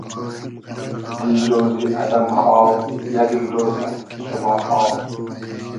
دیرۉزی ادئم خاو ، یئگ ایمرۉزۂ ، سوبا خاو